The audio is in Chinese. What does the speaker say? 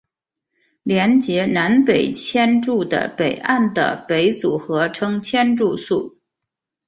连结南北千住的北岸的北组合称千住宿。